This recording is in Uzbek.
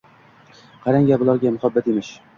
qarang-a, bularga! Muhabbat emish!